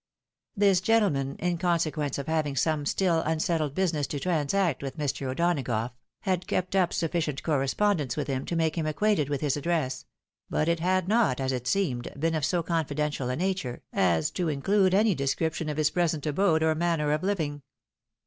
This gentleman, in consequence of having some still unset tled business to transact with Mr. O'Donagough, had kept up sufficient cbrrespondence with him, to make him acquainted with his address ; but it had not, as it seemed, been of so confi dential a nature, as to include any description of his present abode, or manner of hving.